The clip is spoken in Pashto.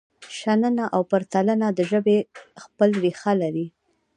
شننه او پرتلنه د ژبې خپل ریښه لري.